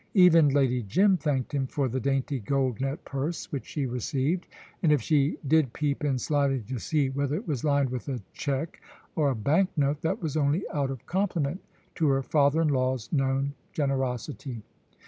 Even Lady Jim thanked him for the dainty gold net purse which she received, and if she did peep in slyly to see whether it was lined with a cheque or a bank note, that was only out of compliment to her father in law's known generosity.